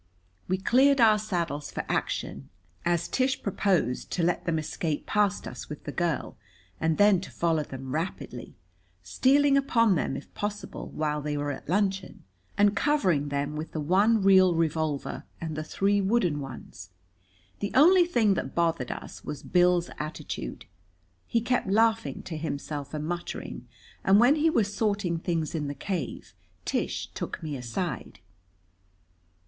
We cleared our saddles for action, as Tish proposed to let them escape past us with the girl, and then to follow them rapidly, stealing upon them if possible while they were at luncheon, and covering them with the one real revolver and the three wooden ones. The only thing that bothered us was Bill's attitude. He kept laughing to himself and muttering, and when he was storing things in the cave, Tish took me aside.